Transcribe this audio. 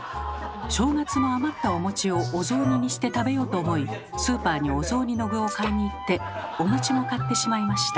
正月の余ったお餅をお雑煮にして食べようと思いスーパーにお雑煮の具を買いに行ってお餅も買ってしまいました。